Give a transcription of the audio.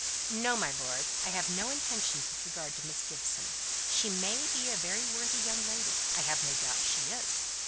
"No, my lord. I have no intentions with regard to Miss Gibson. She may be a very worthy young lady I have no doubt she is.